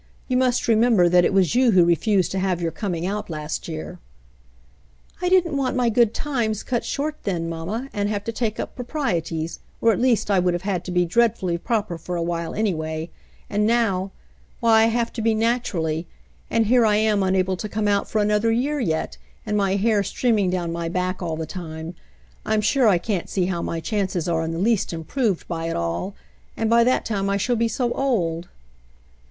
You must remember that it was you who refused to have your coming out last year." "I didn't want my good times cut short then, mamma, and have to take up proprieties — or at least I would have had to be dreadfully proper for a while, anyway — and now — why I have to be naturally ; and here I am unable to come out for another year yet and my hair streaming down my back all the time. I'm sure I can't see how my chances are in the least improved by it all; and by that time I shall be so old."